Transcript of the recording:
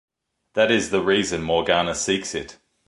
That is the reason Morgana seeks it.